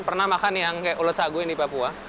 pernah makan yang kayak ulet sagu yang di papua